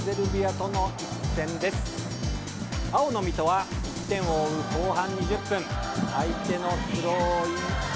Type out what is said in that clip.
青の水戸は１点を追う後半２０分相手のスローイン。